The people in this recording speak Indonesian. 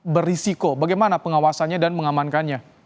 berisiko bagaimana pengawasannya dan mengamankannya